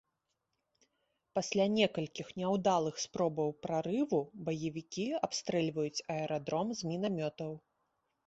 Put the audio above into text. Пасля некалькіх няўдалых спробаў прарыву баевікі абстрэльваюць аэрадром з мінамётаў.